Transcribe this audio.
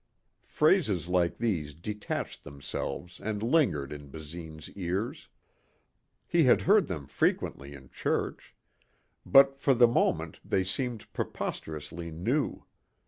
Phrases like these detached themselves and lingered in Basine's ears. He had heard them frequently in church. But for the moment they seemed preposterously new.